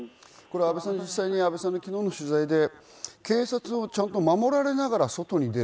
阿部さんの昨日の取材で、警察にちゃんと守られながら外に出る。